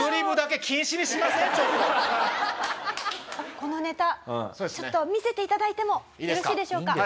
このネタちょっと見せて頂いてもよろしいでしょうか？